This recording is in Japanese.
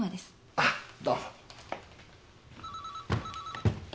ああどうも。